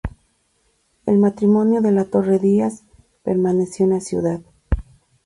El matrimonio De la Torre-Díaz permaneció en la Ciudad.